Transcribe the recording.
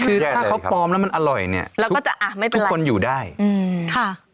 คือถ้าเขาปลอมแล้วมันอร่อยเนี่ยเราก็จะอ่ะไม่เป็นคนอยู่ได้อืมค่ะ